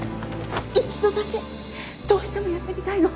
一度だけどうしてもやってみたいの。